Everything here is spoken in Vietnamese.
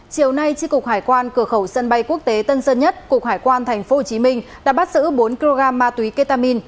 chiều nay chi cục hải quan cửa khẩu sân bay quốc tế tân sân nhất cục hải quan tp hcm đã bắt giữ bốn kg ma túy ketamine